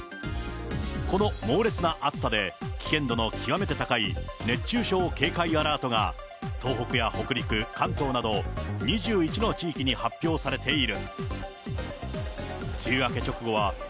この猛烈な暑さで、危険度の極めて高い、熱中症警戒アラートが、東北や北陸、関東など、２１の地域に発表されている。